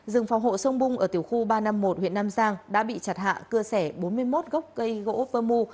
rừng phòng hộ sông bung ở tiểu khu ba trăm năm mươi một huyện nam giang đã bị chặt hạ cưa xẻ bốn mươi một gốc cây gỗ pơ mu